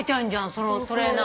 そのトレーナー。